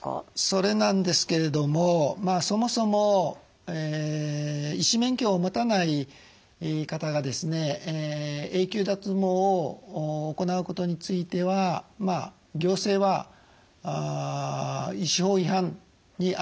それなんですけれどもそもそも医師免許を持たない方が永久脱毛を行うことについては行政は医師法違反にあたるというふうに見なしています。